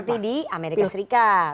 seperti di amerika serikat